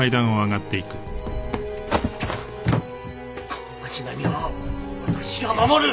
この街並みは私が守る！